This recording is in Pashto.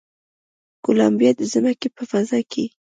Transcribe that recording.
کولمبیا د ځمکې په فضا کې